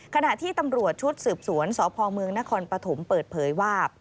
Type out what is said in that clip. ขณะที่ตำรวจชุดสืบสวนสพเมืองนครปฐมเปิดเผยว่า